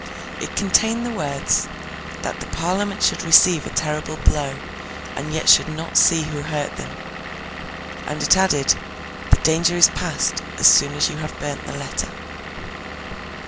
It contained the words 'that the Parliament should receive a terrible blow, and yet should not see who hurt them.' And it added, 'the danger is past, as soon as you have burnt the letter.